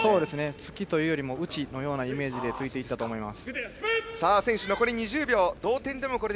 突きというより打ちのようなイメージで突いたと思います。